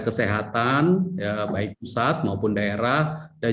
kesehatan ya baik pusat maupun daerah dan